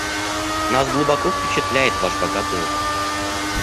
Нас глубоко впечатляет ваш богатый опыт.